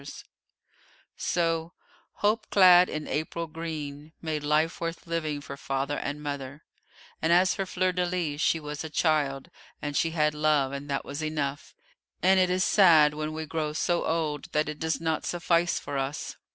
So "hope clad in April green" made life worth living for father and mother; and, as for Fleur de lis, she was a child; and she had love, and that was enough, and it is sad when we grow so old that it does not suffice for us.